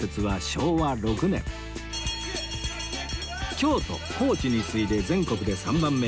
京都高知に次いで全国で３番目